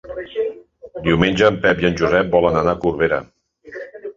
Diumenge en Pep i en Josep volen anar a Corbera.